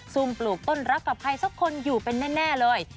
ุ่มปลูกต้นรักกับใครสักคนอยู่เป็นแน่เลย